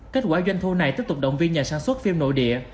kết quả doanh thu này tiếp tục động viên nhà sản xuất phim nội địa